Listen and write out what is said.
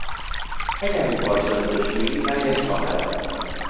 اگر این پارچه را بشویی رنگش خواهد رفت.